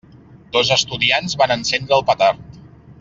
Dos estudiants van encendre el petard.